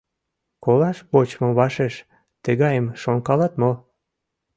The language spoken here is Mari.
Колаш вочмо вашеш тыгайым шонкалат мо?